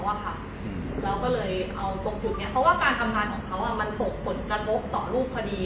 เราก็เลยเอาตรงจุดนี้เพราะว่าการทำงานของเขามันส่งผลกระทบต่อรูปคดี